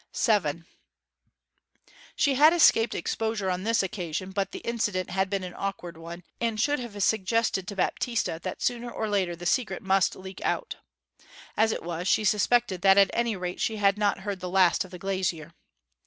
VII She had escaped exposure on this occasion; but the incident had been an awkward one, and should have suggested to Baptista that sooner or later the secret must leak out. As it was, she suspected that at any rate she had not heard the last of the glazier.